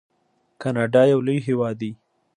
کاناډا یو لوی هیواد دی.